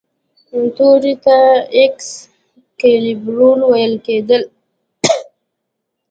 تورې ته ایکس کالیبور ویل کیدل.